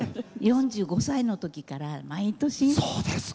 ４５歳のときから毎年。